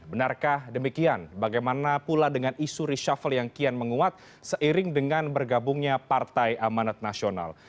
benarkah demikian bagaimana pula dengan isu reshuffle yang kian menguat seiring dengan bergabungnya partai amanat nasional